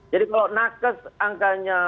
jadi kalau nakes angkanya